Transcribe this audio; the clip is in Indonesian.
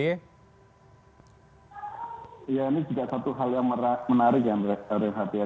ya ini juga satu hal yang menarik ya renhat ya